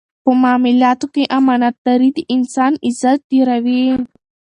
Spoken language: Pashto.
په معاملاتو کې امانتداري د انسان عزت ډېروي.